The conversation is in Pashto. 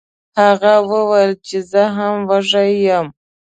هغه وویل چې زه هم وږی یم.